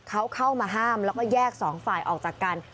เขาเข้ามาห้ามแล้วก็แยกสองฝ่ายออกจากกัน